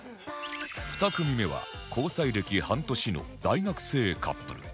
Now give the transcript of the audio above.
２組目は交際歴半年の大学生カップル